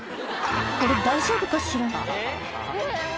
これ大丈夫かしら」